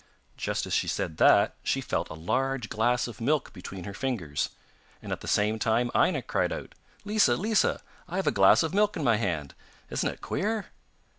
Just as she said that she felt a large glass of milk between her fingers, and at the same time Aina cried out, 'Lisa! Lisa! I have a glass of milk in my hand! Isn't it queer?